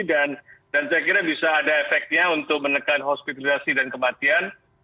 dan saya kira bisa ada efeknya untuk menekan hospitalisasi dan kematian